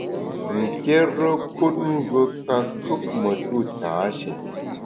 Nkérekut ngùe ka kùp metu tâshé.